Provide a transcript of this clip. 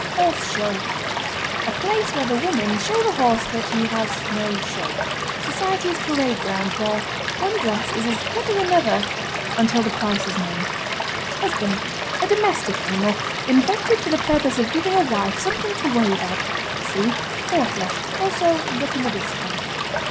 HORSE SHOW. A place where the women show the horse that he has no show. Society's parade grounds, where one dress is as good as another until the price is known. HUSBAND. A domestic animal, invented for the purpose of giving a wife something to worry about. See Fourflush. Also look in the discard.